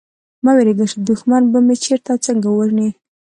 مه وېرېږی چي دښمن به مي چېرته او څنګه ووژني